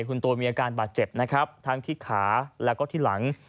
คุณตูนมีอาการบาดเจ็บนะครับทั้งที่ขาแล้วก็ที่หลัง